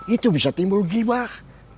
itu bisa timbul gibah